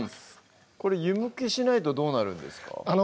これ湯むきしないとどうなるんですか？